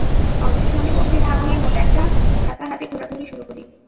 অবশেষে আমি গম্ভীর ভাব নিয়ে মোটা একটা খাতা হাতে ঘোরাঘুরি শুরু করি।